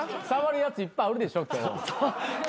触るやついっぱいあるでしょ？